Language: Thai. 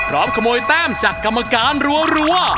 ขโมยแต้มจากกรรมการรัว